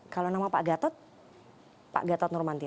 kalau nama pak gatot pak gatot nurmantio